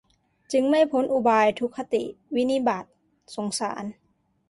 จึงไม่พ้นอุบาย ทุคติ วินิบาต สงสาร